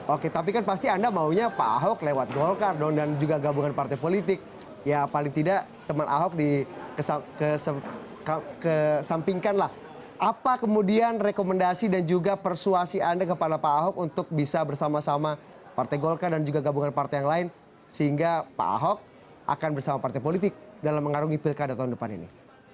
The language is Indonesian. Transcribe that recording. oke tapi kan pasti anda maunya pak ahok lewat golkar dong dan juga gabungan partai politik ya paling tidak teman ahok dikesampingkan lah apa kemudian rekomendasi dan juga persuasi anda kepada pak ahok untuk bisa bersama sama partai golkar dan juga gabungan partai yang lain sehingga pak ahok akan bersama partai politik dalam mengarungi pilkada tahun depan ini